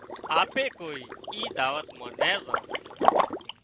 آ اپي ڪوئي اي دعوت مان نين زان